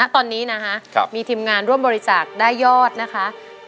ตอนนี้นะคะมีทีมงานร่วมบริจาคได้ยอดนะคะ